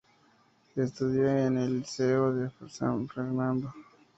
Estudió en el Liceo de San Fernando.